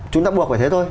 chúng ta buộc phải thế thôi